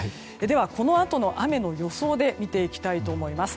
このあとの雨の予想で見ていきたいと思います。